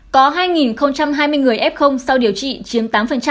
có hai hai mươi người f sau điều trị chiếm tám